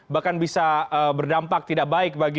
bahkan bisa berdampak tidak baik bagi